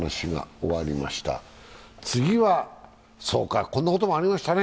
次は、そうかこんなこともありましたね。